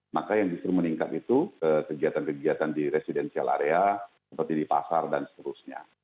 maka yang justru meningkat itu kegiatan kegiatan di residential area seperti di pasar dan seterusnya